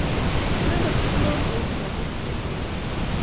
Inendet kong'om kou lakok chun alak